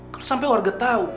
kalo sampe warga tau